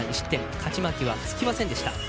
勝ち負けはつきませんでした。